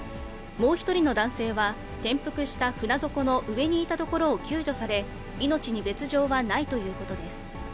もう１人の男性は転覆した船底の上にいたところを救助され、命に別状はないということです。